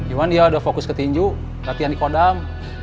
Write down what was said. cuma dia udah fokus ke tinju latihan di kodam